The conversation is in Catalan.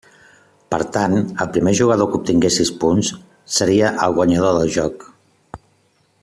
Per tant, el primer jugador que obtingués sis punts seria el guanyador del joc.